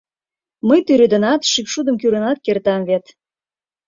— Мый тӱредынат, шӱкшудым кӱрынат кертам вет...